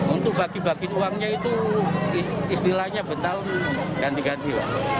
untuk bagi bagi uangnya itu istilahnya betal ganti ganti